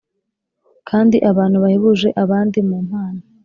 kandi abantu bahebuje abandi mu mpano